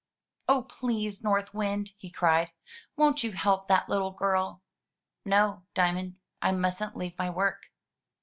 "Oh! please. North Wind," he cried, "won't you help that little girl?" "No, Diamond; I mustn't leave my work."